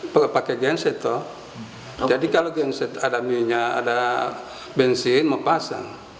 pakai genset jadi kalau genset ada minyak ada bensin mau pasang